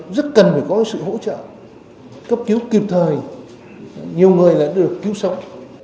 rất cần phải có sự hỗ trợ cấp cứu kịp thời nhiều người đã được cứu sống